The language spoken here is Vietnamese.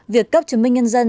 việc cấp chứng minh nhân dân